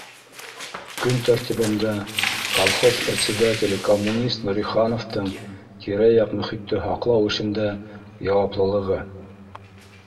Көн тәртибендә: «Колхоз председателе коммунист Нурихановтың тирә-яҡ мөхитте һаҡлау эшендә яуаплылығы»